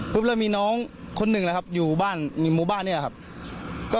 ปุ๊บแล้วมีน้องคนหนึ่งนะครับอยู่บ้านมุมบ้านนี่แหละครับ